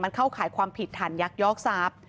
มันเข้าขายความผิดฐานยักษ์ยอกทราบ